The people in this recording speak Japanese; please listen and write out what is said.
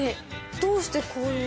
どうしてこういう？